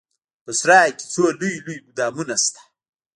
په سراى کښې څو لوى لوى ګودامونه سته.